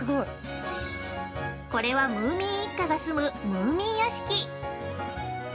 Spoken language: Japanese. ◆これはムーミン一家が住むムーミン屋敷。